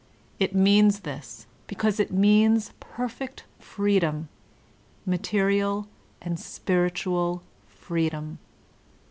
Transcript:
It means this because it means perfect freedom, material and spiritual freedom.